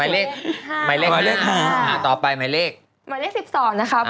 แล้วก็